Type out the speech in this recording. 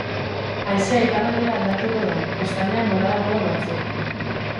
Haizea iparraldera aldatuko da, kostaldean bolada gogor batzuekin.